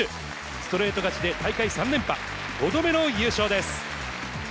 ストレート勝ちで大会３連覇、５度目の優勝です。